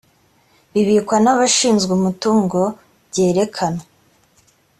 bibikwa n abashinzwe umutungo byerekanwa